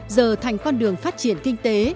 giờ thành con đường phát triển kinh tế